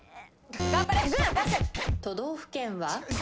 都道府県は？